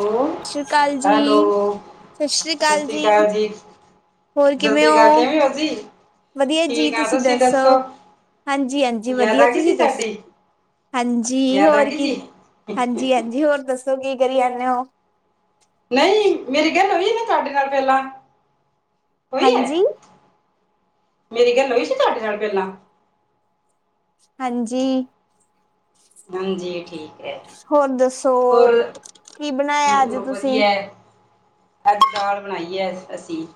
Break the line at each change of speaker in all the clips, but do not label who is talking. ਸਤਿ ਸ੍ਰੀ ਅਕਾਲ
ਹੈਲੋ
ਜੀ, ਸਤਿ ਸ੍ਰੀ ਅਕਾਲ ਜੀ। ਹੋਰ
ਸਤਿ
ਕਿਵੇਂ
ਸ੍ਰੀ ਅਕਾਲ
ਓ
ਕਿਵੇਂ ਹੋ ਜੀ?
ਵਧੀਆ ਜੀ
ਠੀਕ ਆ
ਤੁਸੀਂ ਦਸੋ।
ਦੱਸੋ?
ਹਾਂਜੀ-ਹਾਂਜੀ,
ਯਾਦ
ਵਧੀਆ
ਆ ਗਈ
ਤੁਸੀਂ
ਸੀ
ਦੱਸੋ।
ਸਾਡੀ?
ਹਾਂਜੀ,
ਯਾਦ ਆ
ਹੋਰ
ਗਈ
ਕੀ
ਜੀ?
ਹਾਂਜੀ-ਹਾਂਜੀ ਹੋਰ ਦੱਸੋ ਕੀ ਕਰੀ ਜਾਣੇ ਓ।
ਨਹੀਂ ਮੇਰੀ ਗੱਲ ਹੋਈ ਨਾ ਤੁਹਾਡੇ ਨਾਲ ਪਹਿਲਾਂ। ਹੋਈ ਐ?
ਹਾਂਜੀ,
ਮੇਰੀ ਗੱਲ ਹੋਈ ਸੀ ਤੁਹਾਡਾ ਨਾਲ ਪਹਿਲਾਂ।
ਹਾਂਜੀ,
ਹਾਂਜੀ ਠੀਕ ਐ।
ਹੋਰ ਦੱਸੋ?
ਹੋਰ
ਕੀ ਬਣਾਇਆ ਅੱਜ
ਹੋਰ
ਤੁਸੀਂ?
ਵਧੀਆ ਐ। ਅੱਜ ਦਾਲ ਬਣਾਈ ਐ ਅਸੀਂ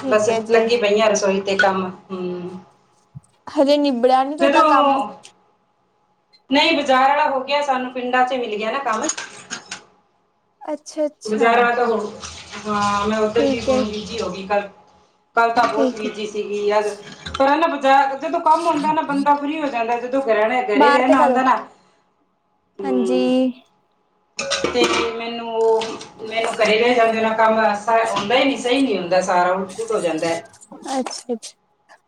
ਠੀਕ
ਬਸ
ਹੈ ਜੀ।
ਲੱਗੀ ਪਈਆਂ ਰਸੋਈ ਤੇ ਕੰਮ ਹੂੰ,
ਹਜੇ ਨਿਬੜਿਆ ਨੀ ਤੁਹਾਡਾ
ਜਦੋਂ
ਕੰਮ
ਨਹੀਂ, ਬਾਜ਼ਾਰ ਆਲਾ ਹੋ ਗਿਆ ਸਾਨੂੰ ਪਿੰਡਾਂ ਚ ਮਿਲ ਗਿਆ ਨਾ ਕੰਮ।
ਅੱਛਾ-ਅੱਛਾ
ਬਜ਼ਾਰਾ ਤਾਂ ਹੁਣ ਹਾਂ ਮੈਂ ਉੱਧਰ ਦੀ
ਠੀਕ ਹੈ
ਫ਼ੋਨ ਬੀਜੀ ਹੋ ਗਈ। ਕੱਲ ਤਾਂ ਬਹੁਤ
ਠੀਕ ਹੈ
ਬਿਜੀ ਸੀਗੀ ਯਾਰ ਪਰ ਹਨਾ ਬ ਜਦੋਂ ਕੰਮ ਹੁੰਦਾ ਨਾ ਬੰਦਾ ਫ੍ਰਰੀ ਹੋ ਜਾਂਦਾ। ਤੇ ਘਰੇ ਹੀ
ਬਾਹਰ ਤੇ
ਰਹਿਣਾ
ਪਾ ਦੋ
ਹੁੰਦਾ ਨਾ ਹੂੰ।
ਹਾਂਜੀ
ਤੇ ਮੈਨੂੰ ਉਹ ਮੈਨੂੰ ਕਰਰੇ ਰਹਿ ਜਾਂਦੇ ਨਾ ਕੰਮ ਹੁੰਦਾ ਹੀ ਨਹੀਂੀ ਸਹੀ ਨੀ ਹੁੰਦਾ ਸਾਰਾ ਉ ਉਟ ਹੋ ਜਾਂਦਾ
ਅੱਛਾ ਅੱਛਾ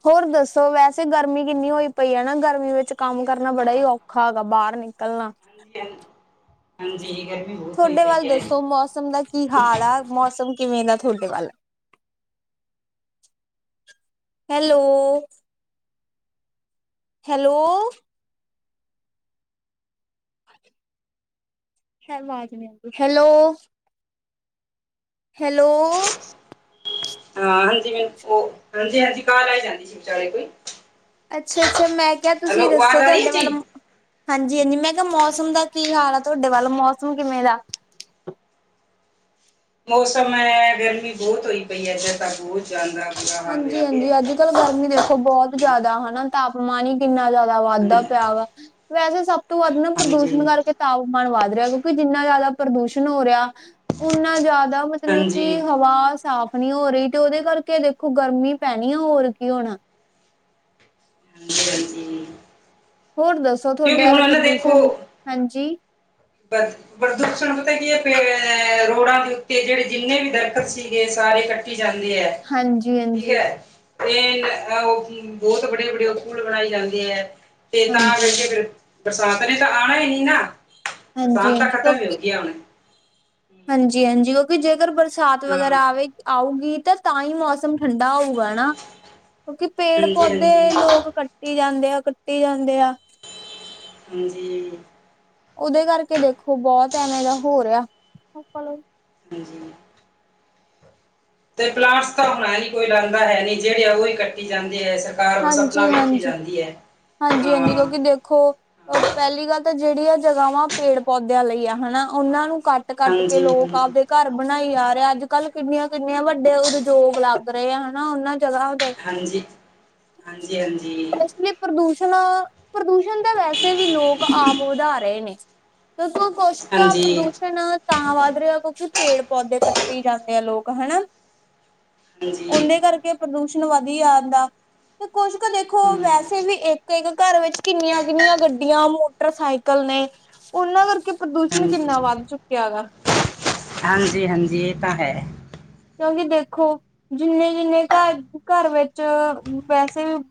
ਹੋਰ ਦੱਸੋ ਵੈਸੇ ਗਰਮੀ ਕਿੰਨੀ ਹੋਈ ਪਈ ਹੈ ਨਾ ਗਰਮੀ ਵਿੱਚ ਕੰਮ ਕਰਨਾ ਬੜਾ ਹੀ ਔਖਾ ਹੈਗਾ ਬਾਹਰ ਨਿਕਲਣਾ
ਹਾਂਜੀ ਹਾਂਜੀ ਹ ਹਾਂਜੀ ਬਹੁਤ ਹੋਈ
ਤੁਹਾਡੇ
ਪਈ
ਵੱਲ
ਹੈ
ਦੱਸੋ ਮੌਸਮ ਦਾ ਕੀ ਹਾਲ ਆ ਮੌਸਮ ਕਿਵੇਂ ਦਾ ਤੁਹਾਡੇ ਵੱਲ ਹੈਲੋ ਹੈਲੋ ਹੈਲੋ ਹੈਲੋ
ਹਾਂ ਹਾਂਜੀ ਮੈਨੂੰ ਉਹ ਹਾਂਜੀ ਹਾਂਜੀ ਕਾਹ ਲ ਆ ਜਾਂਦੀ ਸੀ ਵਿਚਾਲੇ ਕੋਈ
ਅੱਛਾ ਅੱਛਾ ਮੈਂ ਕਿਹਾ ਤੁਸੀਂ
ਹੈਲੋ
ਦੱਸੋ
ਆਵਾਜ਼ ਆ ਰਹੀ ਹੈ
ਤੁਹਾਡੇ ਵੱਲ
ਜੀ
ਹਾਂਜੀ ਹਾਂਜੀ ਮੈਂ ਕਿਹਾ ਮੌਸਮ ਦਾ ਕੀ ਹਾਲ ਆ ਤੁਹਾਡੇ ਵੱਲ ਮੌਸਮ ਕਿਵੇਂ ਦਾ
ਮੌਸਮ ਹੈ ਗਰਮੀ ਬਹੁਤ ਹੋਈ ਪਈ ਹੈ ਇਦੇ ਤਾਂ ਬਹੁਤ ਜਾਂਦਾ
ਹਾਂਜੀ ਹਾਂਜੀ ਅੱਜ ਕੱਲ੍ਹ ਗਰਮੀ ਦੇਖੋ ਬਹੁਤ ਜ਼ਿਆਦਾ ਹਨਾ ਤਾਪਮਾਨ ਹੀ ਕਿੰਨਾ ਜ਼ਿਆਦਾ ਵਾਧਾ
ਹਾਂਜੀ
ਪਿਆ ਵਾ ਵੈਸੇ ਸਭ ਤੋਂ ਵੱਧ ਨਾ ਪ੍ਰਦੂਸ਼ਣ
ਹਾਂਜੀ
ਕਰਕੇ ਤਾਂ ਮ ਵੱਧ ਰਿਹਾ ਕਿਉਂਕਿ ਜਿੰਨਾ ਜ਼ਿਆਦਾ ਪ੍ਰਦੂਸ਼ਣ ਹੋ ਰਿਹਾ ਉਓਨਾ ਜ਼ਿਆਦਾ ਦਾ ਮਤਲਬ
ਹਾਂਜੀ
ਕਿ ਹਵਾ ਸਾਫ਼ ਨਹੀਂੀ ਹੋ ਰਹੀ ਤੇ ਉਹਦੇ ਕਰਕੇ ਦੇਖੋ ਦੇਖੋ ਗਰਮੀ ਪੈਣੀ ਆ ਹੋਰ ਕੀ ਹੋਣਾ
ਹਾਂਜੀ
ਹੋਰ ਦੱਸੋ ਤੁਹਾਡੇ
ਕਿਉਂਕਿ
ਆਲ
ਹੁਣ ਨਾ ਦੇਖੋ
ਪ੍ਰਦੂਸ਼ਣ ਹਾਂਜੀ
ਪ੍ਰਦੂਸ਼ਣ ਪਤਾ ਕੀ ਹੈ ਅ ਰੋਡਾਂ ਦੇ ਉੱਤੇ ਜਿਹੜੇ ਜਿੰਨੇ ਵੀ ਦਰਖਤ ਸੀਗੇ ਸਾਰੇ ਕੱਟੀ ਜਾਂਦੇ ਹੈ
ਹਾਂਜੀ
ਠੀਕ
ਹਾਂਜੀ
ਹੈ ਤੇ ਅਹ ਬਹੁਤ ਵੱਡੇ ਵੱਡੇ ਪੂਲ ਬਣਾਏ ਜਾਂਦੇ ਐ ਤੇ ਤਾਂ
ਹਾਂਜੀ
ਕਰਕੇ ਫਿਰ ਬਰਸਾਤ ਨੇ ਤਾਂ ਆਉਣਾ ਹੀ ਨ ਨਾ
ਹਾਂਜੀ
ਬਰਸਾਤ ਤਾਂ
ਹਾਂਜੀ
ਖਤਮ ਹੀ ਹੋ
ਕਿਉਂਕਿ
ਗਈ ਆ ਹੁਣ
ਹਾਂਜੀ ਹਾਂਜੀ ਕਿਉਂਕਿ ਜੇਕਰ ਬਰਸਾਤ
ਹਾਂ
ਵਗੈਰਾ ਆਵੇ ਆਊਗੀ ਤਾਂ ਤਾਂ ਹੀ ਮੌਸਮ ਠੰਡਾ ਹੋਊਗਾ ਹਨਾ ਕਿਉਂਕਿ ਪੇੜ
ਹਾਂਜੀ
ਪੌਦੇ
ਹਾਂਜੀ
ਲੋਕ ਕੱਟੀ ਜਾਂਦੇ ਆ ਕੱਟੀ ਜਾਂਦੇ ਆ
ਹਾਂਜੀ
ਉਹਦੇ ਕਰਕੇ ਦੇਖੋ ਬਹੁਤ ਐਵੇਂ ਦਾ ਹੋ ਰਿਹਾ
[unintelligible] ਤੇ ਪਲਾਂਟਸ ਤਾਂ ਹੁਣਾ ਨ ਕੋਈ ਲਾਦਾ ਹੈ ਨੀ ਜਿਹੜੇ ਆ ਉਹਹੀ ਕੱਟੀ ਜਾਂਦੇ ਹੈ ਸਰਕਾਰ ਬਸ
ਹਾਂਜੀ
ਆਪਣਾ ਵੇਖੀ
ਹਾਂਜੀ
ਜਾਂਦੀ ਹੈ
ਹਾਂਜੀ ਹਾਂਜੀ
ਹਾਂ
ਕਿਉਂਕਿ ਦੇਖੋ ਅ ਪਹਿਲੀ ਗੱਲ ਜਿਹੜੀਆਂ ਜਗ੍ਹਾਵਾਂ ਪੇੜ ਪੌਦਿਆਂ ਲਈ ਆ ਹਨਾ ਉਹਨਾਂ ਨੂੰ ਕੱਟ-ਕੱਟ ਕੇ
ਹਾਂਜੀ
ਲੋਕ
ਹਾਂਜੀ
ਆਪਦੇ ਘਰ ਬਣਾਈ ਆ ਰਹਾ ਅੱਜ ਕੱਲ ਕਿੰਨੀਆਂ-ਕਿੰਨੀਆਂ ਵੱਡੇ ਉਦਯੋਗ ਲੱਗ ਰਹੇ ਆ ਹਨਾ ਉਹਨਾਂ ਜਗ੍ਹਾ ਤੇ
ਹਾਂਜੀ ਹਾਂਜੀ ਹਾਂਜੀ
ਇਸ ਲਈ ਪ੍ਰਦੂਸ਼ਣ ਪ੍ਰਦੂਸ਼ਣ ਦਾ ਵੈਸੇ ਵੀ ਲੋਕ ਆਪ ਵਧਾ ਰਹੇ ਨੇ ਦੇ ਕੁਸ਼ਤਾ
ਹਾਂਜੀ
ਪ੍ਰਦੂਸ਼ਣ ਤਾਂ ਵੱਧ ਰਿਹਾ ਕਿਉਂਕਿ ਪੇੜ ਪੌਦੇ ਕੱਟੇ ਜਾਂਦੇ ਆ ਲੋਕ ਹਨਾ
ਹਾਂਜੀ
ਉਹਦੇ ਕਰਕੇ ਪ੍ਰਦੂਸ਼ਣ ਵਧੀ ਆਦਾ ਤੇ ਕੁਛ ਕੁ ਦੇਖੋ ਵੈਸੇ
ਹਮ
ਵੀ ਇੱਕ ਇੱਕ ਘਰ ਵਿੱਚ ਕਿੰਨੀਆਂ-ਕਿੰਨੀਆਂ ਗੱਡੀਆਂ ਮੋਟਰਸਾਈਕਲ ਨੇ ਉਹਨਾਂ ਕਰਕੇ ਪ੍ਰਦੂਸ਼ਣ ਕਿੰਨਾ ਵੱਧ ਚੁੱਕਿਆ ਗਾ
ਹਾਂਜੀ-ਹਾਂਜੀ ਇਹ ਤਾਂ ਹੈ
ਕਿਉਂਕਿ ਦੇਖੋ ਜਿੰਨੇ-ਜਿੰਨੇ ਘਰ-ਘਰ ਵਿੱਚ ਵੈਸੇ ਵੀ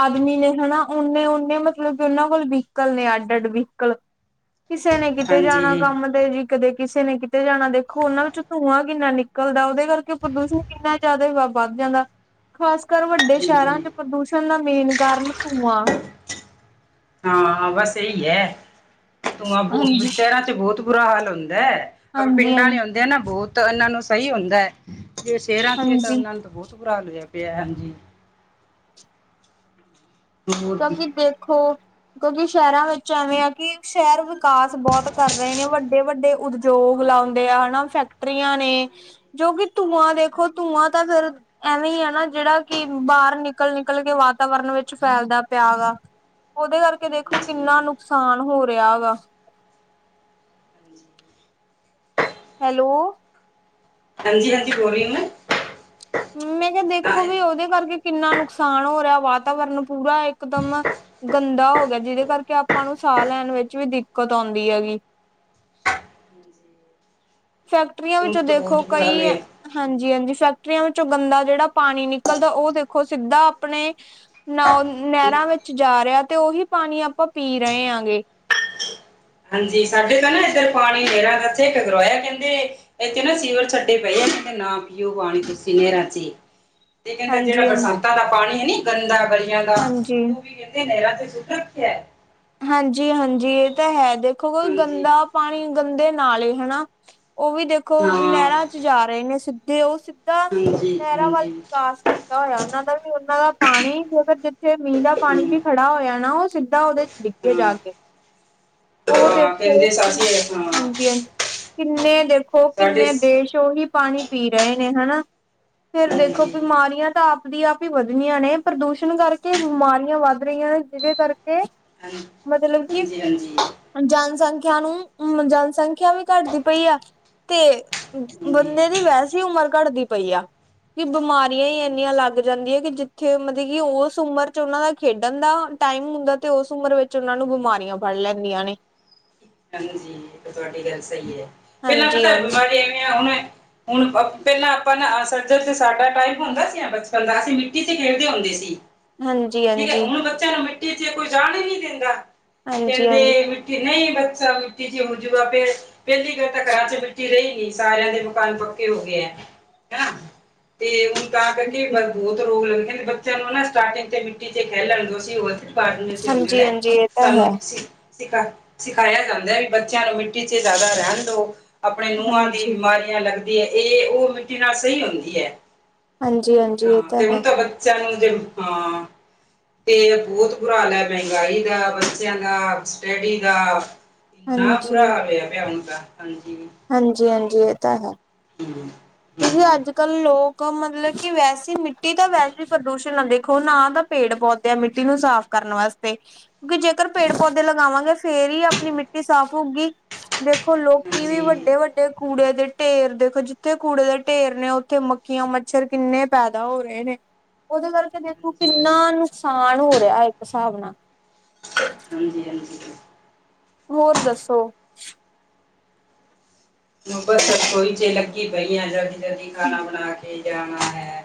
ਆਦਮੀ ਨੇ ਹਨਾ ਓਨੇ-ਓਨੇ ਮਤਲਬ ਕਿ ਉਹਨਾਂ ਕੋਲ ਵਹੀਕਲ ਨੇ ਅੱਡ-ਅੱਡ ਵਹੀਕਲ ਕਿਸੇ ਨੇ ਕਿਤੇ ਜਾਣਾ
ਹਾਂਜੀ
ਕੰਮ ਤੇ ਜੀ ਕਦੇ ਕਿਸੇ ਨੇ ਕਿਤੇ ਜਾਣਾ ਦੇਖੋ ਉਹਨਾਂ ਵਿੱਚੋਂ ਧੂੰਆਂ ਕਿੰਨਾ ਨਿਕ ਨਿਕਲਦਾ ਉਹਦੇ ਕਰਕੇ ਪ੍ਰਦੂਸ਼ਣ ਕਿੰਨਾ ਜ਼ਿਆਦਾ ਵ ਵੱਧ ਜਾਂਦਾ ਖਾਸ ਕਰ ਵੱਡੇ ਸ਼ਹਿਰਾਂ
ਹਾਂਜੀ
ਚ ਪ੍ਰਦੂਸ਼ਣ ਪੁਣ ਦਾ ਮੇਨ ਕਾਰਨ ਧੂੰਆਂ
ਹਾਂ ਬਸ ਇਹੀ ਹੈ ਧੂੰਆਂ ਬਹੁ
ਹਾਂਜੀ
ਸ਼ਹਿਰਾਂ ਚ ਬਹੁਤ ਬੁਰਾ ਹਾਲ ਹ ਆਪ
ਹਾਂਜੀ ਹਾਂ
ਪਿੰਡਾਂ ਲਈ ਆਉਂਦੇ ਆ ਨਾ ਬਹੁਤ ਇਹਨਾਂ ਨੂੰ ਸਹੀ ਹੁੰਦਾ ਜੇ ਸ਼ੇਰਾਂ ਚ ਤਾਂ
ਹਾਂਜੀ
ਉਹਨਾਂ ਨੂੰ ਤਾਂ ਬਹੁਤ ਭੁਰਾ ਹੋਿਆ ਪਿਆ ਹਾਂਜੀ ਹੋਰ ਕੀ
ਕਿਉਂਕਿ ਦੇਖੋ ਕਿਉਂਕਿ ਸ਼ਹਿਰਾਂ ਵਿੱਚ ਐਵੇਂ ਆ ਕਿ ਸ਼ਹਿਰ ਵਿਕਾਸ ਬਹੁਤ ਕਰ ਰਹੇ ਨੇ, ਵੱਡੇ-ਵੱਡੇ ਉਦਯੋਗ ਲਾਉਂਦੇ ਆ ਹਨਾ ਫੈਕ ਰੀਆਂ ਨੇ ਜੋ ਕਿ ਧੂੰਆਂ ਦੇਖੋ ਧੂੰਆਂ ਤਾਂ ਫੇਰ ਐਵੇਂ ਹੀ ਆ ਨਾ ਜਿਹੜਾ ਕਿ ਬਾਰ ਨਿਕਲ-ਨਿਕਲ ਕੇ ਵਾਤਾਵਰਨ ਵਿੱਚ ਫੈਲਦਾ। ਪਿਆ ਗਾ ਉਹਦੇ ਕਰਕੇ ਦੇਖੋ ਕਿੰਨਾ ਨੁਕਸਾਨ ਹੋ ਰਿਹਾ ਹੈ ਗਾ ਹੈਲੋ
ਹਾਂਜੀ-ਹਾਂਜੀ, ਬੋਲ ਰਹੀ ਮੈਂ
ਮੈਂ ਕਿਹਾ ਦੇਖੋ ਵੀ ਉਹਦੇ ਕਰਕੇ ਕਿੰਨਾ ਨੁਕਸਾਨ ਹੋ ਰਿਹਾ ਵਾਤਾਵਰਨ ਪੂਰਾ ਇਕਦਮ ਗੰਦਾ ਹੋ ਗਿਆ ਜਿਹਦੇ ਕਰਕੇ ਆਪਾਂ ਨੂੰ ਸਾਹ ਲੈਣ ਵਿੱਚ ਵੀ ਦਿੱਕਤ ਆਉਂਦੀ ਹੈਗੀ ਫੈਕਟਰੀਆਂ
ਹੁਣ
ਵਿੱਚ
ਤਾਂ
ਦੇਖੋ
ਬਹੁਤ ਬੁਰਾ ਹਾਲ
ਕਈ,
ਹੋਇਆ
ਹਾਂਜੀ-ਹਾਂਜੀ ਫੈਕਟਰੀਆਂ ਵਿੱਚੋਂ ਗੰਦਾ ਜਿਹੜਾ ਪਾਣੀ ਨਿਕਲਦਾ ਉਹ ਦੇਖੋ ਸਿੱਧਾ ਆਪਣੇ ਨਾ ਨਹਿਰਾਂ ਵਿੱਚ ਜਾ ਰਿਹਾ ਤੇ ਉਹੀ ਪਾਣੀ ਆਪਾਂ ਪੀ ਰਹੇ ਹਾਂ ਗੇ
ਹਾਂਜੀ, ਸਾਡੇ ਕਾਰ ਨਾ ਇੱਧਰ ਪਾਣੀ ਨੇਰਾਂ ਦਾ ਇੱਥੇ ਇੱਕ ਗਰੋਇਆ ਕਹਿੰਦੇ ਇੱਥੇ ਨਾ ਸੀਵਰ ਛੱਡੇ ਪਏ ਆ ਨਾਂ ਪੀਓ ਪਾਣੀ ਤੁਸੀਂ ਨੇਰਾਂ ਚ
[inaudible]
ਤੇ ਕਹਿੰਦੇ ਜਿਹੜਾ
ਹਾਂਜੀ ਹਾਂਜੀ
ਬਰਸਾਤਾਂ ਦਾ ਪਾਣੀ ਐ ਨੀ ਗੰਦਾ ਗਲੀਆਂ ਦਾ
ਹਾਂਜੀ
ਉਹ ਵੀ ਕਹਿੰਦੇ ਨਹਿਾਂ ਚ ਸੂਟ ਰੱਖਿਆ
ਹਾਂਜੀ-ਹਾਂਜੀ, ਇਹ ਤਾਂ ਹੈ, ਦੇਖੋ ਕੋਈ
ਹਾਂਜੀ
ਗੰਦਾ ਪਾਣੀ ਗੰਦੇ ਨਾਲੇ ਹਨਾ ਉਹ ਵੀ ਦੇਖੋ
ਹਾਂ
ਨਹਿਰਾਂ ਚ ਜਾ ਰਹੇ ਨੇ ਸਿੱਧੇ ਉਹ ਸਿੱਧਾ
ਹਾਂਜੀ
ਨਹਿਰਾਂ ਵੱਲ
ਹਾਂਜੀ
ਵਿਕਾਸ ਕੀਤਾ ਹੋਇਆ ਉਹਨਾਂ ਦਾ ਵੀ ਉਹਨਾਂ ਦਾ ਪਾਣੀ ਜੇਕਰ ਜਿੱਥੇ ਮੀਂਹ ਦਾ ਪਾਣੀ ਵੀ
ਹਮ,
ਖੜਾ ਹੋਇਆ ਨਾ ਉਹ ਸਿੱਧਾ ਉਹਦੇ ਡਿੱਗੇ ਜਾ
ਹਾਂ
ਕੇ, ਉਹ
ਹਾਂ
ਦੇਖੋ,
ਕਹਿੰਦੇ ਸਾਸੀ ਹਾਂ
ਹਾਂਜੀ-ਹਾਂਜੀ ਕਿੰਨੇ ਦੇਖੋ
ਸਾਡੇ
ਕਿੰਨੇ ਦੇਸ਼ ਉਹੀ ਪਾਣੀ ਪੀ ਰਹੇ ਨੇ ਹਨਾ ਫੇਰ ਦੇਖੋ
ਹਾਂਜੀ
ਬਿਮਾਰੀਆਂ ਤਾਂ ਆਪ ਆਂ ਵੀ ਵੱਧਣੀਆਂ ਨੇ, ਪ੍ਰਦੂਸ਼ਣ ਕਰਕੇ ਬਿਮਾਰੀਆਂ ਵੱਧ ਰਹੀਆਂ ਨੇ ਜਿਹਦੇ ਕਰਕੇ ਮਤਲਬ ਕਿ
ਹਾਂਜੀ-ਹਾਂਜੀ
ਜਨਸੰਖਿਆ ਨੂੰ ਜਨਸੰਖਿਆ ਵੀ ਘੱਟਦੀ ਪਈ ਆ ਤੇ
ਹਾਂਜੀ ਹਾਂਜੀ
ਬੰਦੇ ਦੀ ਵੈਸੇ ਹੀ ਉਮਰ ਘੱਟਦੀ ਪਈ ਆ ਕਿ ਬਿਮਾਰੀਆਂ ਹੀ ਇੰਨੀਆਂ ਲੱਗ ਜਾਂਦੀਆਂ ਕਿ ਜਿੱਥੇ ਮਤਲਬ ਕਿ ਉਸ ਉਮਰ ਚ ਉਹਨਾਂ ਦਾ ਖੇਡਣ ਦਾ ਟਾਈਮ ਹੁੰਦਾ ਤੇ ਉਸ ਉਮਰ ਵਿੱਚ ਉਹਨਾਂ ਨੂੰ ਬਿਮਾਰੀਆਂ ਫੜ ਲੈਂਦੀਆਂ ਨੇ
ਹਾਂਜੀ ਇਹ ਤੁਹਾਡੀ ਗੱਲ ਸਹੀ ਏ, ਪਹਿਲਾਂ
ਹਾਂਜੀ
ਪਤਾ
ਹਾਂਜੀ
ਬਿਮਾਰੀ ਐਵੇਂ ਆ ਉਵੇਂ ਹੁਣ ਹੁਣ ਪਹਿਲਾਂ ਆਪ ਸੱਜਰ ਤੇ ਸਾਡਾ ਟਾਈਪ ਹੁੰਦਾ ਸੀ ਬਚਪਨ ਦਾ ਅਸੀਂ ਮਿੱਟੀ ਤੇ ਖੇਡਦੇ ਹੁੰਦੇ ਸੀ।
ਹਾਂਜੀ
ਠੀਕ ਐ,
ਹਾਂਜੀ
ਹੁਣ ਬੱਚਿਆਂ ਨੂੰ ਮਿੱਟੀ ਚ ਕੋਈ ਜਾੜ ਈ ਨੀ ਦਿੰਦਾ।
ਹਾਂਜੀ
ਕਹਿੰਦੇ ਮਿੱਟੀ ਨਹੀਂ ਬੱਚਾ ਮਿੱਟੀ ਜੂਗਾ [unintelligible] ਪਹਿਲੀ ਗੱਲ ਤਾਂ ਘਰਾਂ ਚ ਮਿੱਟੀ ਰਹੀ ਨੀ, ਸਾਰਿਆਂ ਦੇ ਮਕਾਨ ਪੱਕੇ ਹੋ ਗੇ ਐ।
[inaudible]
ਤੇ ਤਾਂ ਕਰਕੇ
ਹਾਂਜੀ
ਬਹੁਤ ਰੋਗ ਲੱਗ ਕਹਿੰਦੇ ਬੱਚਿਆਂ ਨੂੰ ਨਾ ਸਟਾਰਟਿੰਗ ਤੇ ਮਿੱਟੀ ਚ ਖਹਿਲੈਣ ਦੋ ਸੀ [unintelligible] ਆਉਂਦੇ
ਹਾਂਜੀ
ਨੇ
ਹਾਂਜੀ ਇਹ ਤਾਂ
ਸਾਨੂੰ
ਹੈ
ਤੁਂ ਸਿਖਾ-ਸਿਖਾਇਆ ਜਾਂਦਾ ਐ ਵੀ ਬੱਚਿਆਂ ਨੂੰ ਮਿੱਟੀ ਚ ਜ਼ਿਆਦਾ ਰਹਿਣ ਦੋ। ਆਪਣੇ ਨੂੰਹਾਂ ਦੀ
ਹਾਂਜੀ
ਬਿਮਾਰੀਆਂ ਲੱਗਦੀ ਹੈ ਇਹ ਉਹ ਮਿੱਟੀ ਨਾਲ ਸਹੀ ਹੁੰਦੀ ਐ।
ਹਾਂਜੀ ਹਾਂਜੀ ਇਹ
ਹਾਂ, ਤੇ ਹੁਣ
ਹੈ
ਤਾਂ ਬੱਚਿਆਂ ਨੂੰ ਜੇ, ਹਾਂ ਤੇ ਬੋਤ ਬੁਰਾ ਹਾਲ ਐ, ਮਹਿੰਗਾਈ ਦਾ, ਬੱਚਿਆਂ ਦਾ, ਸਟੱਡੀ ਦਾ। ਇੰਨਾ ਬੁਰਾ ਹੋਵੇ ਪਿਆ ਹੁਣ ਤਾ
ਹਾਂਜੀ-ਹਾਂਜੀ, ਇਹ ਤਾਂ ਹੈ।
ਹੂੰ
ਤੁਸੀ
ਹਾਂਜੀ
ਅੱਜ ਕੱਲ੍ਹ ਲੋਕ ਮਤਲਬ ਕਿ ਵੈਸੇ ਮਿੱਟੀ ਤਾਂ ਵੈਸੇ ਪ੍ਰਦੂਸ਼ਣ ਨਾ ਦੇਖੋ ਨਾ ਤਾਂ ਪੇੜ ਪੌਦੇ ਆ ਮਿੱਟੀ ਨੂੰ ਸਾਫ਼ ਕਰ ਕਰਨ ਵਾਸਤੇ ਕਿਉਂਕਿ ਜੇਕਰ ਪੇੜ ਪੌਦੇ
ਹਾਂਜੀ
ਲਗਾਵਾਂਗੇ ਫੇਰ ਹੀ ਆਪਣੀ ਮਿੱਟੀ ਸਾਫ਼ ਹੋਗੀ। ਦੇਖੋ ਲੋਕੀ ਵੀ
ਹਾਂਜੀ
ਵੱਡੇ ਵੱਡੇ ਕੂੜੇ ਦੇ ਢੇਰ ਦੇਖੋ ਜਿੱਥੇ ਕੂੜੇ ਦੇ ਢੇਰ ਨੇ ਉੱਥੇ ਮੱਕੀਆਂ ਮੱਛਰ ਕਿੰਨੇ ਪੈਦਾ ਹੋ ਰਹੇ ਨੇ। ਉਹਦੇ ਕਰਕੇ ਦੇਖੋ ਕਿੰਨਾ ਨੁਕਸਾਨ ਹੋ ਰਿਹਾ ਇੱਕ ਸਾਬ ਨਾਲ
ਹਾਂਜੀਹਾਂਜੀ,
ਹੋਰ ਦੱਸੋ?
ਬਸ ਰਸੋਈ ਚ ਲੱਗੀ ਪਈ ਆ ਜਲਦੀ ਜਲਦੀ ਖਾਣਾ ਬਣਾ ਕੇ ਜਾਣਾ ਹੈ।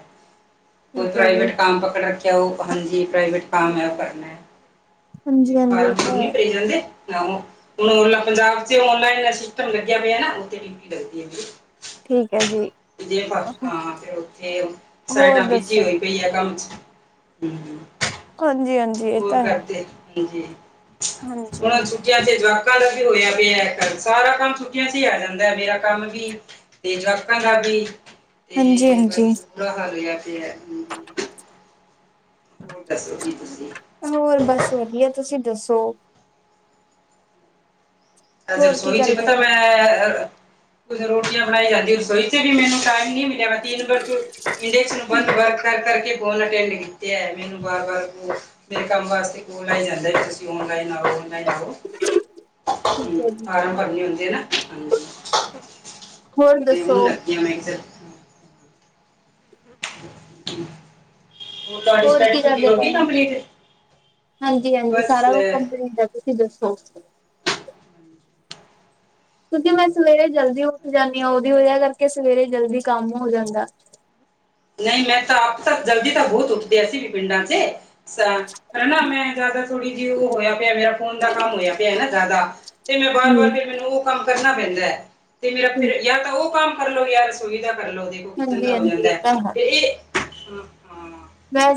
ਕੋਈ
ਠੀਕ ਹੈ ਜੀ
ਪ੍ਰਾਈਵੇਟ ਕੰਮ ਪਕੜ ਰੱਖਿਆ ਉਹ ਹਾਂਜੀ ਪ੍ਰਾਈਵੇਟ ਕੰਮ ਆ ਉਹ ਕਰਨਾ।
ਹਾਂਜੀ
[unintelligible]
ਹਾਂਜੀ ਇਹ ਤਾਂ ਹੈ
ਭਰੇ ਜਾਂਦੇ। ਆਹ ਹੁਣ ਪੰਜਾਬ ਚ ਆਨਲਾਈਨ ਦਾ ਸਿਸਟਮ ਲੱਗਿਆ ਪਿਆ ਨਾ ਓਥੇ ਡਿਊਟੀ ਲੱਗਦੀ ਆ ਮੇਰੀ।
ਠੀਕ। ਹੈ ਜੀ
[unintelligible] ਹਾਂ, ਫਿਰ ਉਥੇ
ਹੋਰ
ਸਾਈਡਾਂ ਬਿਜੀ
ਦੱਸੋ
ਰਹਿੰਦੀ ਆ ਕੰਮ ਹੂੰ,
ਹਾਂਜੀ-ਹਾਂਜੀ, ਇਹ ਤਾਂ ਹੈ।
ਹਾਂਜੀ
ਹਾਂਜੀ
ਹੁਣ ਛੁੱਟੀਆਂ ਚ ਜਵਾਕਾ [unintelligible] ਵੀ ਹੋਇਆ ਪਿਆ ਸਾਰਾ ਕੰਮ ਛੁੱਟੀਆਂ ਚ ਹੀ ਆ ਜਾਂਦਾ ਮੇਰਾ ਕੰਮ ਵੀ ਤੇ ਜਵਾਕਾ ਦਾ ਵੀ। ਤੇ
ਹਾਂਜੀ-ਹਾਂਜੀ,
ਬਸ ਬੁਰਾ ਹਾਲ ਹੋਇਆ ਪਿਆ। ਹੋਰ ਦੱਸੋ ਜੀ ਤੁਸੀਂ
ਹੋਰ ਬਸ ਵਧੀਆ ਤੁਸੀਂ ਦੱਸੋ?
ਅਜੇ
ਹੋਰ ਕੀ
ਰਸੋਈ ਚ
ਕਰਦੇ?
ਪਤਾ ਮੈਂ ਰੋਟੀਆਂ ਬਣਾਈ ਜਾਂਦੀ ਰਸੋਈ ਚ ਵੀ ਮੈਨੂੰ ਟਾਈਮ ਨੀ ਮਿਲਿਆ ਮੈਂ [unintelligible] [unintelligible] ਕਰਕੇ ਕੋਲ ਅਟੈਂਡ ਕੀਤੀ ਆ ਮੈਨੂੰ ਵਾਰ-ਵਾਰ ਮੇਰੇ ਕੰਮ ਵਾਸਤੇ ਔਨਲਾਈਨ ਜਾਂਦਾ ਵੀ ਤੁਸੀਂ ਆਨਲਾਈਨ ਆਓ।
[inaudible] ਹੈ
[unintelligible]
ਜੀ,
ਫਾਰਮ ਭਰਨੇ ਹੁੰਦੇ ਨਾ। [inaudible]
ਹੋਰ ਦੱਸੋ ਹੋਰ ਕੀ
ਤੁਹਾਡੀ [unintelligible]
ਕਰਦੇ
ਹੋ
ਪਏ
ਗਈ ਕੰਪਲੀਟ।
ਹਾਂਜੀ-ਹਾਂਜੀ,
ਬਸ
ਸਾਰਾ ਕੁਛ
ਅਹ,
ਕੰਪਨੀ ਦਾ ਤੁਸੀਂ ਦੱਸੋ। ਕਿਉਂਕਿ ਮੈਂ ਸਵੇਰੇ ਜਲਦੀ ਉੱਠ ਜਾਣੀ ਆ ਉਹਦੀ ਵਜ੍ਹਾ ਕਰਕੇ ਸਵੇਰੇ ਜਲਦੀ ਕੰਮ ਹੋ ਜਾਂਦਾ। [inaudible]
ਨਹੀਂ, ਮੈਂ ਤਾਂ ਆਪ ਤਾਂ ਜਲਦੀ ਤਾਂ ਬਹੁਤ ਉੱਠਦੀ ਐਸੀੇ ਵੀ ਪਿੰਡਾਂ ਚ। ਨਾ ਮੈਂ ਜ਼ਿਆਦਾ ਥੋੜ੍ਹੀ ਜਿਹੀ ਉਹ ਹੋਇਆ ਪਿਆ। ਮੇਰਾ ਫੋਨ ਦਾ ਕੰਮ ਹੋਇਆ ਪਿਆ ਨਾ ਜ਼ਿਆਦਾ ਤੇ ਮੈਂ ਬਾਰ
ਹੂੰ,
ਬਾਰ ਫਿਰ ਮੈਨੂੰ ਉਹ ਕੰਮ ਕਰਨਾ ਪੈਂਦਾ ਤੇ ਮੇਰਾ ਫਿਰ ਯਾਰ ਤਾਂ ਉਹ ਕੰਮ ਕਰ ਲਓ ਯਾਰ ਰਸੋਈ ਦਾ ਕਰ ਲਓ। ਦੇਖੋ ਕਿਚਣ ਦਾ ਹੋ
ਹਾਂਜੀ-ਹਾਂਜੀ,
ਜਾਂਦਾ।
ਇਹ ਤਾਂ ਹੈ
ਤੇ ਹਾਂ, ਹਾਂ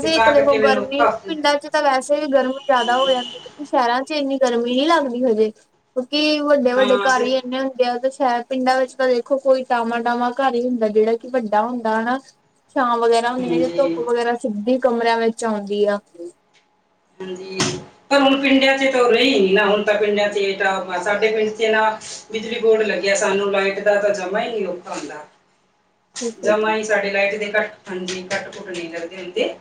ਤੇ
ਇੱਕ
ਤਾਂ
ਦੇਖੋ
ਕਰਕੇ ਮੈਨੂੰ
ਗਰਮੀ
ਔਖਾ ਹੋ
ਪਿੰਡਾਂ ਚ
ਜਾਂਦਾ
ਤਾਂ ਵੈਸੇ ਵੀ ਗਰਮੀ ਜ਼ਿਆਦਾ ਹੋ ਜਾਂਦੀ ਕਿਉਂਕਿ ਸ਼ਹਿਰਾਂ ਚ ਇੰਨੀ ਗਰਮੀ ਨੀ ਲੱਗਦੀ ਹਜੇ ਕਿਉਂਕਿ ਵੱਡੇ-ਵੱਡੇ
ਹਾਂ
ਘਰ
ਤੇ
ਹੀ ਏਨੇ ਹੁੰਦੇ ਆ ਓਹਦੇ ਚ, ਹੈ। ਪਿੰਡਾਂ ਵਿੱਚ ਤਾਂ ਦੇਖੋ ਕੋਈ ਟਾਵਾਂ ਟਾਵਾਂ ਘਰ ਹੀ ਹੁੰਦਾ ਜਿਹੜਾ ਕਿ ਵੱਡਾ ਹੁੰਦਾ ਹਨਾ। ਛਾਂ ਵਗੈਰਾ ਹੁੰਦੀ
ਹਾਂਜੀ
ਧੁੱਪ ਵਗੈਰਾ ਸਿੱਧੀ ਕਮਰਿਆਂ ਵਿੱਚ ਆਉਂਦੀ ਆ।
ਹਾਂਜੀ, ਪਰ ਹੁਣ ਪਿੰਡਾਂ ਚ ਤਾਂ ਉਹ ਰਹਿ ਹੀ ਨੀ ਗਿਆ ਹੁਣ ਤਾਂ ਪਿੰਡਾਂ ਚ ਸਾਡੇ ਪਿੰਡ ਚ ਨਾ ਬਿਜਲੀ ਬੋਰਡ ਲੱਗਿਆ ਸਾਨੂੰ ਲਾਈਟ ਦਾ ਤਾਂ ਜਮਾ ਈ ਨੀ ਔਖਾ ਨਹੀਂ ਹੁੰਦਾ।
ਹੈ ਜੀ,
ਜਮਾ ਹੀ ਸਾਡੇ ਲਾਈਟ ਦੇ ਘੱਟ ਹਾਂਜੀ ਕੱਟ ਕੁੱਟ ਨਹੀਂ ਲੱਗਦੇ ਹੁੰਦੇ।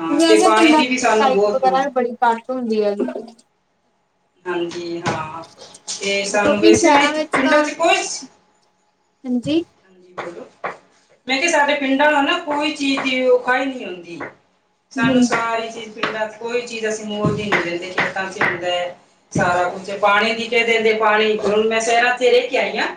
ਹਾਂ, ਤੇ
ਵੈਸੇ
ਪਾਣੀ
ਪਿੰਡਾਂ
ਦੀ ਵੀ
ਵਿੱਚ
ਸਾਨੂੰ
ਲਾਈਟ
ਬਹੁਤ
ਵਗੈਰਾ
ਹਾਂ,
ਬੜੀ ਘੱਟ ਹੁੰਦੀ ਆ ਗੀ।
ਹਾਂਜੀ ਹਾਂ, ਤੇ ਸਾਨੂੰ
ਕਿਉਂਕਿ
ਵੈਸੇ ਵੀ
ਸ਼ਹਿਰਾਂ ਵਿੱਚ ਤਾਂ
ਪਿੰਡਾਂ ਚ ਕੁਛ
[inaudible]
ਹਾਂਜੀ ਬੋਲੋ। ਮੈਂ ਕਿਹਾ ਸਾਡੇ ਪਿੰਡਾਂ ਨਾਲ ਨਾ ਕੋਈ ਚੀਜ਼ ਔਖਾਈ ਨਹੀਂ ਹੁੰਦੀ। ਸਾਨੂੰ
ਹਾਂਜੀ
ਸਾਰੀ ਚੀਜ਼ ਪਿੰਡਾਂ ਚ ਕੋਈ ਚੀਜ਼ ਅਸੀਂ ਮੁੱਲ ਦੀ ਨਹੀਂ ਲੈਂਦੇ ਖੇਤਾਂ ਚ ਹੁੰਦਾ। ਸਾਰਾ ਕੁਛ ਪਾਣੀ ਦੀ ਕੇ ਦਿੰਦੇ ਪਾਣੀ ਮੈਂ ਸ਼ਹਿਰਾਂ ਤੇ ਰਹਿ ਕੇ ਆਈ ਆ।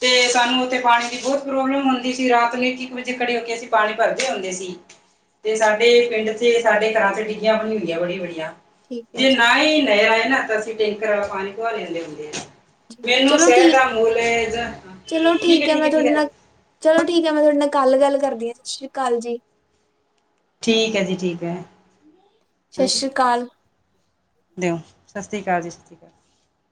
ਤੇ ਸਾਨੂੰ ਉੱਥੇ ਪਾਣੀ ਦੀ ਬਹੁਤ ਪ੍ਰੋਬਲਮ ਹੁੰਦੀ ਸੀ, ਰਾਤ ਨੂੰ ਇੱਕ-ਇੱਕ ਵਜੇ ਖੜੇ ਹੋ ਕੇ ਅਸੀਂ ਪਾਣੀ ਭਰਦੇ ਹੁੰਦੇ ਸੀ।
[inaudible]
ਤੇ ਸਾਡੇ ਪਿੰਡ ਚ ਸਾਡੇ ਘਰਾਂ ਚ ਡਿੱਗੀਆਂ ਹੁੰਦੀਆਂ ਬੜੀ ਬੜੀਆਂ
ਠੀਕ ਹੈ
ਜੇ
ਜੀ।
ਨਾ ਹੀ ਨਹਿਰ ਆਏ ਨਾ ਤਾਂ ਅਸੀਂ ਟੈਂਕਰ ਵਾਲਾ ਪਾਣੀ ਪਵਾ ਲੈਂਦੇ ਹੁੰਦੇ ਆ। ਮੈਨੂੰ
ਚਲੋ
ਸ਼ਹਿਰ ਦਾ
ਠੀਕ,
ਮਹੋਲ ਹੈ
ਚਲੋ
ਠੀਕ ਹੈ
ਮੈਂ
ਠੀਕ ਠੀਕ
ਤੁਹਾਡੇ ਨਾਲ ਚਲੋ ਠੀਕ ਹੈ ਮੈਂ ਤੁਹਾਡੇ ਨਾਲ ਕੱਲ ਗੱਲ ਕਰਦੀ ਹਾਂ ਸਤਿ ਸ਼੍ਰੀ ਅਕਾਲ ਜੀ।
ਠੀਕ ਹੈ ਜੀ ਠੀਕ ਹੈ।
ਸਤਿ
ਹਾਂਜੀ
ਸ਼੍ਰੀ ਅਕਾਲ
ਦਿਓ ਸਤਿ ਸ਼੍ਰੀ ਅਕਾਲ ਜੀ ਸਤਿ ਸ਼੍ਰੀ ਅਕਾਲ